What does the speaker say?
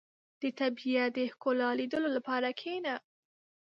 • د طبیعت د ښکلا لیدلو لپاره کښېنه.